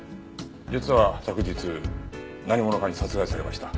実は昨日何者かに殺害されました。